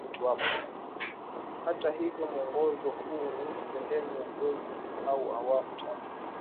Hata hivyo mwongozo huu ni sehemu ya jozi au awamu tatu